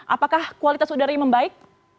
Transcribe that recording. apakah kualitas udara ini membaik